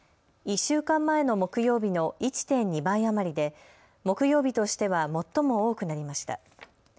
１週間前の木曜日の１．２倍余りで木曜日としては最も多くなりました。